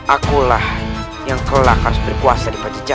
aku punya perang paling baik